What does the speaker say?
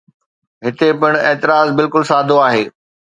هتي پڻ اعتراض بلڪل سادو آهي.